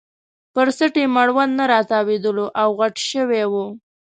پر څټ یې مړوند نه راتاوېدلو او غټ شوی وو.